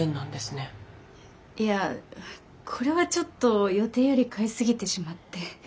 いやこれはちょっと予定より買いすぎてしまって。